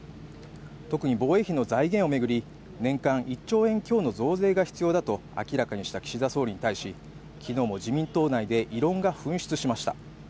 特に防衛費の財源を巡り年間１兆円強の増税が必要だと明らかにした岸田総理に対し昨日も自民党内から異論が噴出しました。